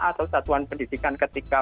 atau tatuan pendidikan ketika